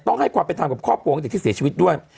ต้องให้ความเป็นธรรมกับครอบครัวของเด็กที่เสียชีวิตด้วย